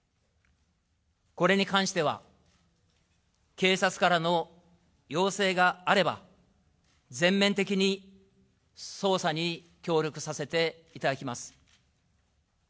これに関しては、警察からの要請があれば、全面的に捜査に協力させていただきます。